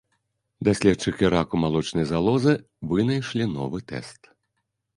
Даследчыкі раку малочнай залозы вынайшлі новы тэст.